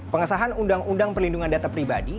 pengesahan undang undang perlindungan data pribadi